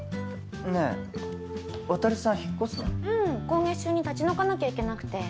今月中に立ち退かなきゃいけなくて。